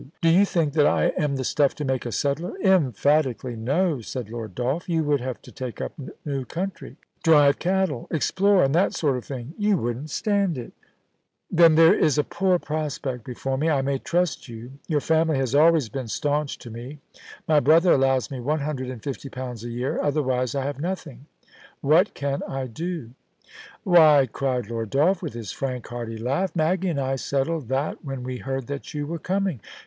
Do you think that I am the stuff to make a settler P' * Emphatically no,' said Lord Dolph. * You would have to take up new country, drive cattle, explore, and that sort of thing. You wouldn't stand it' AN A USTRALTAN EXPL ORER, 63 * Then there is a poor prospect before me. I may trust you ; your family has always been staunch to me. My brother allows me one hundred and fifty pounds a year, otherwise I have nothing. \Vhat can I do ?Why !* cried Lord Dolph, with his frank, hearty laugh, * Maggie and I settled that when we heard that you were coming.